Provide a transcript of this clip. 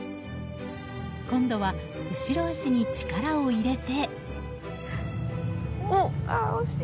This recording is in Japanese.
今度は、後ろ足に力を入れて。